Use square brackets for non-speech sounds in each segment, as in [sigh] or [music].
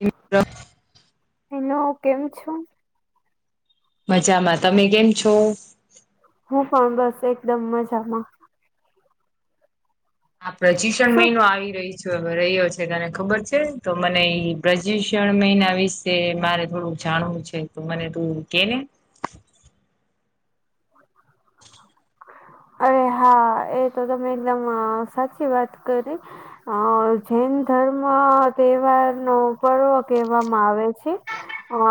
એ. એનો કેમ છું. મજામાં તમે કેમ છો? હું પણ બસ એકદમ મજામાં. આ પ્રજીકષણ શું મહિનો આવી રહી છે. રહ્યો છે તને ખબર છે તો મને એ પ્રજૂષણ મહિના વિશે મારે થોડું જાણવું છે. મને તું કેને [inaudible] [inaudible] અરે હા એ તો તમે એકદમ સાચી વાત કરી અ જૈન ધર્મ તહેવાર નો પર્વ કહેવામાં આવે છે હ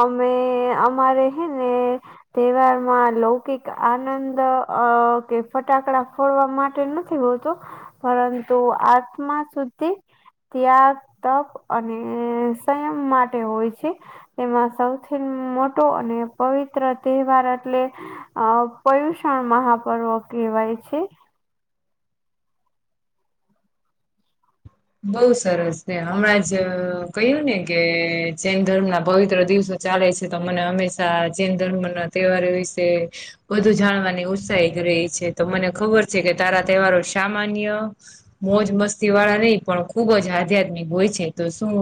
અમે અમારે હે ને તહેવારમાં. કક આનંદ અ કે ફટાકડા ફોડવા માટે નથી બોલતો, પરંતુ આત્મા સુધી ત્યાગ તપ અને સંયમ માટે હોય છે. એમાં સૌથી મોટો અને પવિત્ર તહેવાર એટલે અ પ્યુષણ મહાપર્વ કહેવાય છે. બઉુ સરસ છે હમણાં જ કહ્યું ને કે જૈન ધર્મ ના પવિત્ર દિવસો ચાલે છે તો મને હંમેશા જૈન ધર્મ ના તહેવાર વિશે બધું જાણવાની ઉત્સાહીિત રહી છે તો મને ખબર છે કે તારા તહેવારો સામાન્ય મોજ મસ્તી વાળા નહિ પણ ખુબ જ આધ્યાત્મિક હોય છે તો શું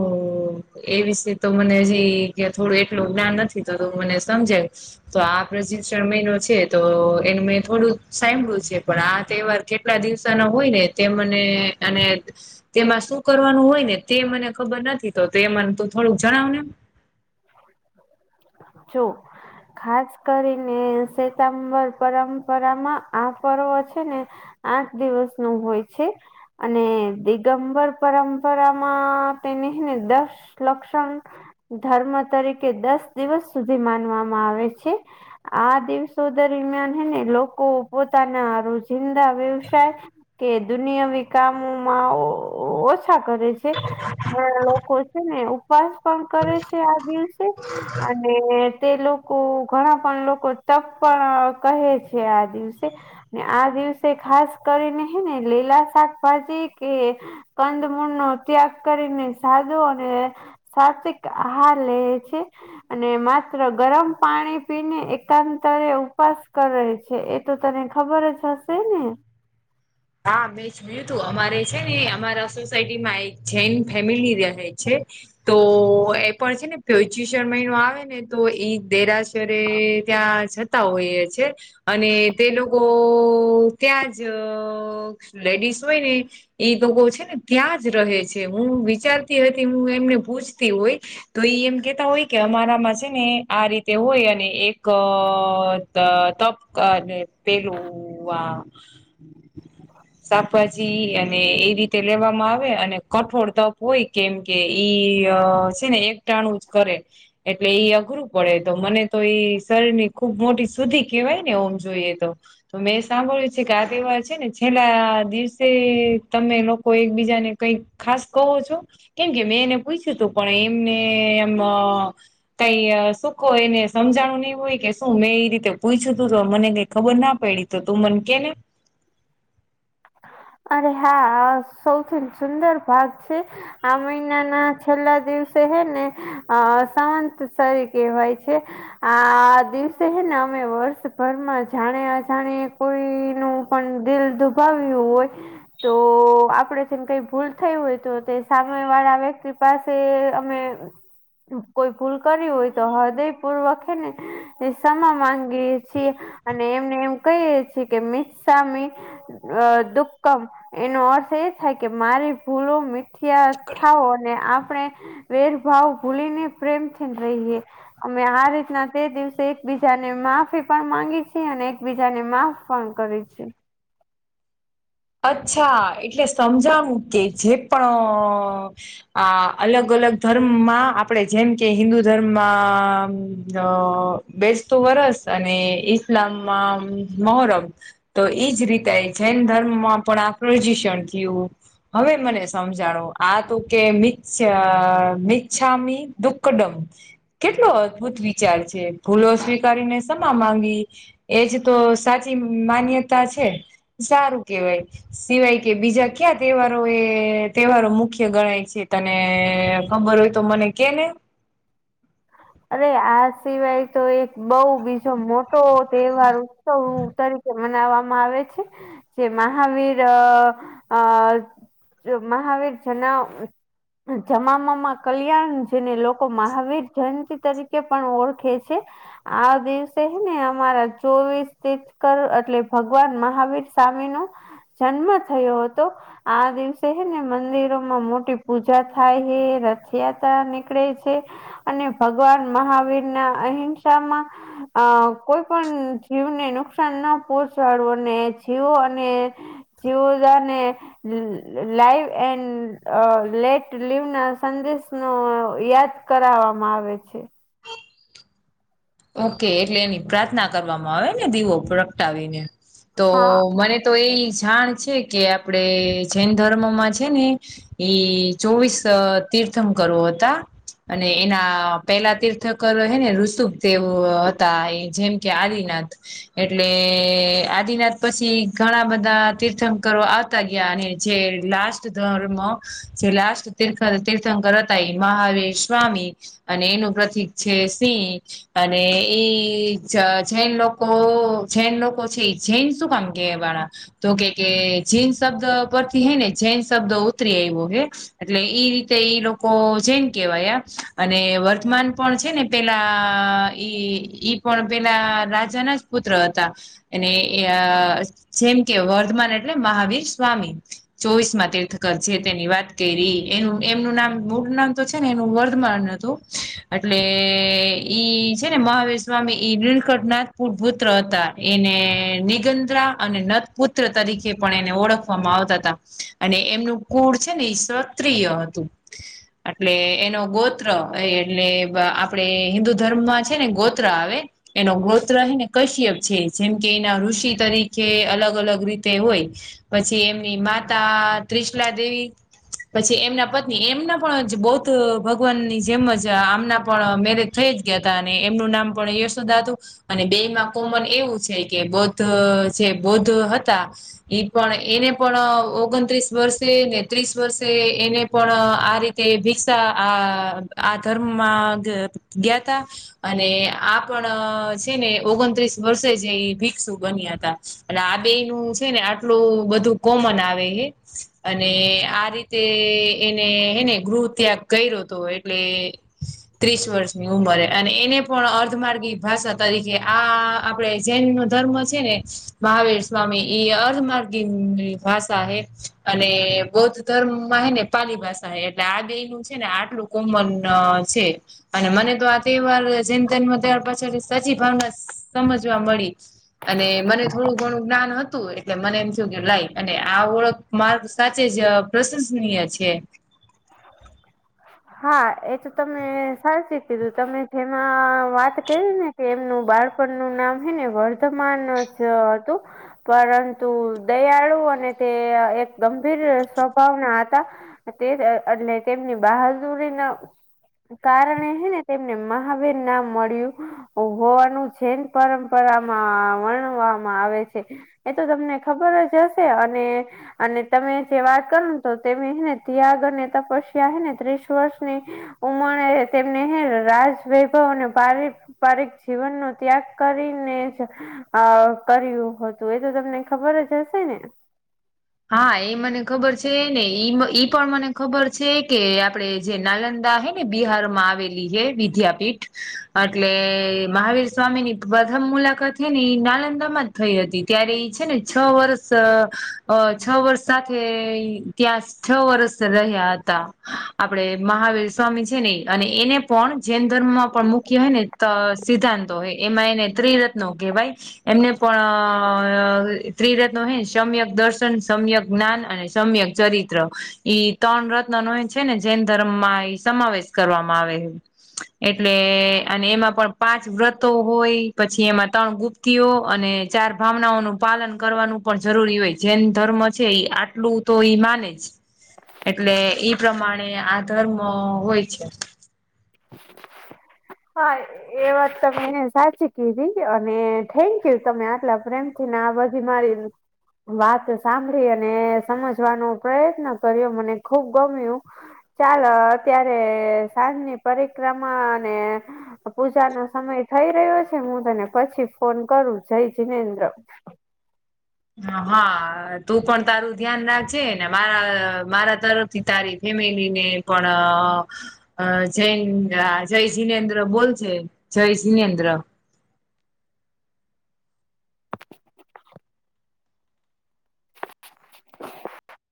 એ વિશે તો મને હજી થોડું એટલું જ્ઞાન નથી તો મને સમજાય તો આ પ્રજિક્ષણ મહિનો છે તો એનું મેં થોડું સાંભળ્યું છે પણ આ તહેવાર કેટ આપલા દિવસા ના હોય ને તે મને અને તેમાં શું કરવાનું હોય ને તે મને ખબર નથી તો એ મને તું થોડુંક જણાવનેમ જોું ખાસ કરીને શેતાંબર પરંપરામાં આ પર્વ છે ને આઠ દિવસ નું હોય છે અને દિગમબર પરંપરામાં તેને છે ને દસ લક્ષણ ધર્મ તરીકે દસ દિવસ સુધી માનવામાં આવે છે આ દિવસો દરમિયાન હે ને લોકો પોતાના રોજિંદા વ્યવસાય કે દુનિયા વ કામોમાં ઓછા કરે છે હા લોકો છે ને ઉપવાસ પણ કરે છે આ દિવસ અને તે લોકો ઘણા પણ લોકો તપ પણ કહે છે છે આ દિવસે આ દિવસે ખાસ કરીને હે ને લીલા શાકભાજી કે કંદમૂળ નો ત્યાગ કરીને સાધુ અને સાત્િક આહ લ [inaudible] અને માત્ર ગરમ પાણી પીને એકાંતરે ઉપવાસ કરે છે તું તને ખબર છ હશે ને હા મે તું અમારે છે ને અમારા સોસાયટી માં એક જૈન ફેમિલી રહે છે તો એ પણ છે ને પચીસર મહિનો આવે ને તો ઈ દેરાશરે ત્યાં હોઈએ છે અને તે લોકો ત્યાં જ લેડીસ હોય ને એ લોકો છે ને ત્યાં જ રહે છે હું વિચારતી હતી હું એમને પૂછતી હોય તો એ એમ કેતા હોય કે અમારામાં છે ને આ રીતે હોય અને એક અ તપક અને પેલું વા [inaudible] શાકભાજી અને એ રીતે લેવામાં આવે અને કઠોળ તપ હોય કેમ કે ઈ છે ને એક ટાણું જ કરે એટલે અઘરું પડે તો મને તો એઈ શરની ખુબ મોટી સુદ્ધી કેહેવાય ને ઓમ જોઈએ તો તો મેં સાંભળ્યું છે કે આ તેવા છે ને છેલ્લા દિવસે તમે લોકો એકબીજાને કઈ ખાસ કહો છો કેમ કે મેં એને પૂછ્યું હતું પણ એમને એમ કઈ સુખ એને સમજાણું નહી હોય કે શું મેં એઈ રીતે પૂછ્યું તું તો મને કઈ ખબર ના પડી તો તું મનકે ને અરે હા સૌથી સુંદર ભાગ છે આ મહિના ના છેલ્લા દિવસે હે ને અ સાવંતસરી કહેવાય છે આ દિવસે હે ને અમે વર્ષભરમાં જાણે અજાણે કોઈ ન પણ દિલ દુબાવ્યું હોય તો તો આપડે ને કઈ ભૂલ થય હોય તો તે સાય વાળા વ્યક્તિ પાસે અમે કોઈ ભૂલ કરી હોય તો હો દે પૂર્વાખે ને કષમા માંગીએે છીએ અને એમને એમ કહીએ છીએ કે મિતસામી અ દુક્કમ એનો અર્થ એ થાય કે મારી ભૂલો મિત થઓ અને આપણે વેરભાવ ભૂલી ને પ્રેમથી રહીએ અમે આ રીતના તે દિવસે એકબીજાને માફી પણ માંગી છીએ અને એકબીજા ને મા ફોન કરી છે અચ્છા એટલે સમજણું કે જે પણ આ અલગ અલગ ધર્મમાં આપણેે જેમ કે હિન્દુ ધર્મમાં અ બેસતો વરસ અને ઈસ્લામમાં મહોરમ તો એજ રીતે જૈન ધર્મમાં પણ આકજીષણ થયું હવે મને સમજાડો આ તું કે મ મિચ્છામી દુકડમ કેટલો અદભુત વિચાર છે ભૂલો સ્વીકારીને સમા માંગી એજ તો સાચી માન્યતા છે સારું કેહેવાય સિવાય કે બીજા ક્યા તહેવારો એ તહેવારો મુખ્ય ગણાય છે તને અબર હોય તો મને કે ને અરે આ સિવાય તો એક બઉ બીજો મોટો તહેવાર ઉત્સવ તરીકે મનાવવામાં આવે છે જે મહાવીર આ મહાવીર જના જમામાં કલ્યાણ જેને લોકો મહાવીર જન તરીકે પણ ઓળખે છે આ દિવસેને હેને અમારા ચોવીસ કર એટલે ભગવાન મહાવીર સ્વામી નો જન્મ થયો હતો. આ દિવસે હે ને મંદિરોમાં મોટી પૂજા થાય હ રથયાત્રા નીકળે છે. અને ભગવાન મહાવીર ના અહિંસામાં અ કોઈ પણ જીવને નુકસાન ના પહોચાડવું અને જીવો અને જીવજ ને લાઈવ એન્ડ લેટ લિવ ના સંદેશ નો યાદ કરાવવામાં આવે છે ઓકે એટલે એની પ્રાર્થના કરવામાં આવે ને દીવો પ્રગટાવીને તો હા મને તો એ જાણ છે કે આપણેે જૈન ધર્મમાં છે ને એઈ ચોવીસ તીર્થમ કરવો હતા અને એના પેલા તીર્થક હે ને ઋતુમ તેઓ હતા એ જેમ કે આદિનાથ એટલે આદિનાથ પછી ઘણા બધા તીર્થંકરો તા ગયા અને જે લાસ્ટ ધર્મ જે લાસ્ટ તીર્થ તીર્થંકર હતાય મહાવીર સ્વામી અને એનું પ્રતિક છે સિંહ. અને ઈ જૈન લોકો જૈન લોકો છે એ જૈન શું કામ કે વાળા તો કે કે જિન શબ્દ પરથી હે ને જૈન શબ્દ ઉતરી આવ્યો હે. એટલે ઈ રીતે ઈ લોકો જૈન કેવાયા અને વર્તમાન પણ છે ને પેલા ઈ પણ પેલા રાજા ના જ પુત્ર હતા. અને જેમ કે વર્ધમાન એટલે મહાવીર સ્વામી ચોવીસ માં તીર્થકર છે તેની વાત કરી એનું એમનું નામ મૂળ નામ તો છે ને એનું વર્ધમાન હતું. એટલે ઈ છે ને મહાવીર સ્વામી લકંઠનાથ પુરપુત્ર હતા એને નિગંધ્રા અને પુત્ર તરીકે પણ એને ઓળખવામાં આવતા હતા અને એમનું કુળ છે ને એ ક્ષત્રિય હતું. [inaudible] એટલે એનો ગોત્ર એ એટલે આપડે હિન્દુ ધર્મમાં છે ને ગોત્ર આવે. એનો ગોત્રને કશ્યપ છે જેમ કે એના ઋષિ તરીકે અલગ અલગ રીતે હોય પછી એમની માતા ત્રિશલા દેવી પછી એમના પત્ની એમના પણ બૌદ્ધ ભગવાનની જેમ જ આમના પણ મેરેજ થઈ જ ગયા હતા અને એમનું નામ પણ યશોદાતું અને બે માં કોમન એવું છે કે બૌદ્ધ જે બૌદ્ધ હતા પણ એને પણ ઓગણત્રીસ વર્ષે ને ત્રીસ વર્ષે એને પણ આ રીતે ભિક્ષા આ આ ધર્મમાં ગયાતા અને આ પણ છે ને ઓગણત્રીસ વર્ષે જે એ ભિક્ષુ બન્યા હતા. અને આ બે નું છે ને આટલું બધું કોમન આવે હે અને આ રીતે એને હેને ગૃહ ત્યાગ કર્યો હતો એટલે ત્રીસ વર્ષની ઉંમરે. અને એને પણ અર્ધમાર્ગી ભાષા તરીકે આ આપડે જૈન ન ધર્મ છે ને મહાવીર સ્વામી અર્ધમાર્ગી ભાષા હે અને બૌદ્ધ ધર્મમા હે ને પાલી ભાષા હે એટલે આ બે નું છે ને આટલું કોમન છે અને મને તો આ તહેવાર ચિંતન નો તહેવાર પછી સચી ભાવના સમજવા મળી અને મને થોડુંક થોડુંક જ્ઞાન હતું એટલે મને એમ થયું કે લાઈ અને આ ઓળખ માર્ગ સાચે જ પ્રશંસનીય છે. [inaudible] હા એ તો તમે સાચી કીધું તમે જેમાં વાત કરી ને તેમનું બાળપણનું નામ હે ને વર્તમાન જ હતું. પરંતુ દયાળુ અને તે એક ગંભીર સ્વભાવના હતા તે એટલે તેમની બહાદુરીના કારણે હે ને તેમને મહાવીર નામ મળ્યું. હોવાનું જૈન પરંપરામાં વર્ણવામાં આવે છે. એ તો તમને ખબર જ હશે અને અને તમે જે વાત કરો ને તો તેમે હે ને ત્યાગ અને તપસ્યા એને ત્રીસ વર્ષની ઉમરે તેમને હે ને રાજ લીધો અને ભાવિક પારિક જીવનનો ત્યાગ કરીને જ અ કર્યું હતું એ તો તમને ખબર જ હશે ને. હા એ મને ખબર છે ને ઈ ઈ પણ મને ખબર છે કે આપડે જે નાલંદા હે બિહાર માં આવેલી છે વિદ્યાપીઠ એટલે મહાવીર સ્વામી ની પ્રથમ મુલાકાત છે ને એ નાલંદા માં જ થઈ હતી ત્યારે એ છે ને છ વર્ષ અ છ વર્ષ સાથે ત્યાં છ વર્ષ રહ્યા હતા. આપડે મહાવીર સ્વામી છે ને અને એને પણ જૈન ધર્મમાં પણ મુખ્ય હોય ને ત સિદ્ધાંતો હોય એમાં એને ત્રિરત્નો કહેવાય એમને પણ ત્રિરત્નો હે સમ્ય દર્શ સમ્યક જ્ઞાન અને સમ્યક ચરિત્ર ઈ ત્રણ રત્ન નો એ છે ને જૈન ધર્મ માં સમાવેશ કરવામાં આવે હે એટલે અને એમાં પણ પાંચ વ્રતો હોય પછી એમાં ત્રણ ગુપ્ત તિઓ અને ચાર ભાવનાઓનું પાલન કરવાનું પણ જરૂરી હોય છે જેૈન ધર્મ છે ઈ આટલું તો ઈ માને જ એટલે ઈ પ્રમાણે આ ધર્મ હોય છે હા એ વાત તમે એને સાચી કીધી છે અને થેન્ક યુ તમે આટલા પ્રેમ થી ને આ બઘી મારી વાત સાંભળી અને સમજવાનો પ્રયત્ન કર્યો મને ખુબ ગમ્યું ચાલો અત્યારે સાંજની પરિક્રમા અને પૂજા નો સમય થઈ રહ્યો છે હું તને પછી ફોન કરું જય જીનેન્દ્ર હા તું પણ તારું ધ્યાન રાખજે ને મારા મારા તરફ તારી ફેમિલીને પણ અ જય જયસિનેન્દ્ર બોલ છે જય સિનેન્દ્ર